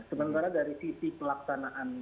sementara dari sisi pelaksanaan